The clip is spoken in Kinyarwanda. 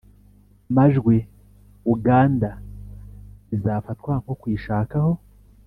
majwi uganda bizafatwa nko kuyishakaho